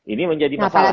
ini menjadi masalah